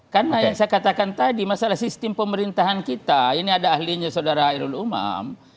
karena yang saya katakan tadi masalah sistem pemerintahan kita ini ada ahlinya saudara airul umam